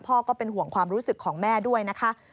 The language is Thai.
ก็เป็นห่วงความรู้สึกของแม่ด้วยนะคะ